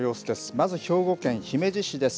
まず、兵庫県姫路市です。